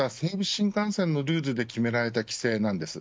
新幹線のルールで決められた規制なんです。